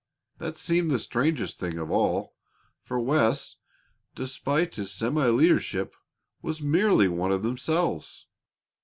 That seemed the strangest thing of all, for Wes, despite his semi leadership, was merely one of themselves.